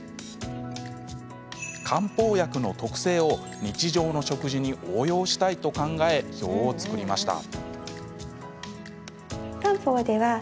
漢方薬の特性を日常の食事に応用したいと考え表を作りました。